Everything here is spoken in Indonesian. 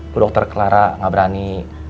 bu dokter clara gak berani